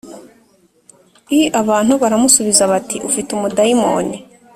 l Abantu baramusubiza bati ufi te umudayimoni